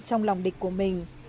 trong lòng địch của mình